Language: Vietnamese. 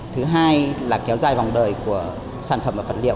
thứ hai là kéo dài vòng đời của sản phẩm và vật liệu